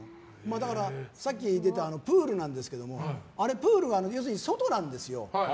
だから、さっき出てたプールなんですけどプールは要するに外なんですよ。